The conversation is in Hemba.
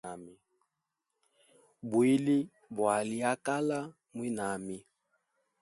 Bwili bwali akala mwinami.